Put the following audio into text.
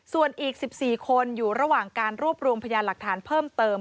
ส่วนอีก๑๔คนอยู่ระหว่างการรวบรวมพยานหลักฐานเพิ่มเติม